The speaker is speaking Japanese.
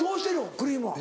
クリームは。